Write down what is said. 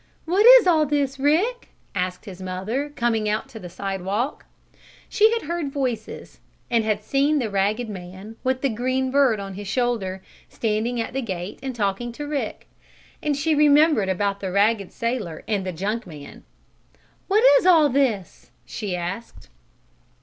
"What is all this, Rick?" asked his mother, coming out to the sidewalk. She had heard voices, and had seen the ragged man, with the green bird on his shoulder, standing at the gate talking to Rick. And she remembered about the ragged sailor and the junk man. "What is all this?" she asked.